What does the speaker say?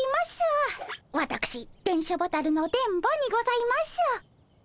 わたくし電書ボタルの電ボにございます。